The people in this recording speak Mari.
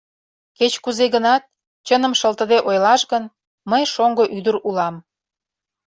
— Кеч-кузе гынат, чыным шылтыде ойлаш гын, мый шоҥго ӱдыр улам.